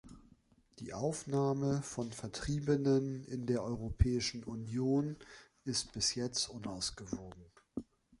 Die Aufnahme von Vertriebenen in der Europäischen Union ist bis jetzt unausgewogen.